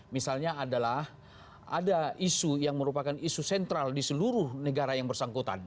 misalnya adalah ada isu yang merupakan isu sentral di seluruh negara yang bersangkutan